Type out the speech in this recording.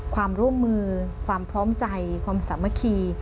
ความร่วมมือความพร้อมใจความสามัคคี